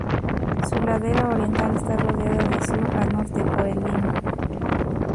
Su ladera oriental está rodeada, de sur a norte, por el Lim.